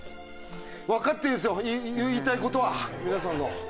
わかってんすよ言いたい事は皆さんの。